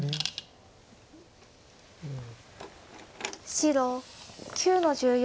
白９の十四。